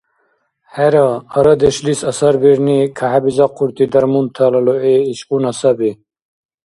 ХӀера, арадешлис асарбирни кахӀебизахъурти дармунтала лугӀи ишгъуна саби.